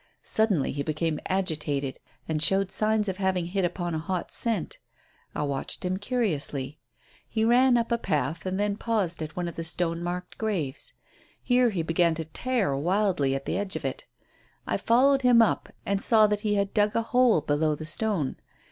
Suddenly he became agitated, and showed signs of having hit upon a hot scent. I watched him curiously. He ran up a path and then paused at one of the stone marked graves. Here he began to tear wildly at the edge of it. I followed him up and saw that he had dug a hole below the stone.